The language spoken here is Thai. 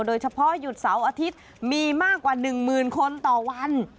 โดยเฉพาะหยุดเสาร์อาทิตย์มีมากกว่า๑หมื่นคนต่อวัน